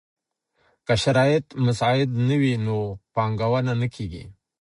که شرايط مساعد نه وي نو پانګونه نه کيږي.